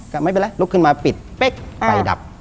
ก็ไม่เป็นไรลุกขึ้นมาปิดเป๊กไฟดับ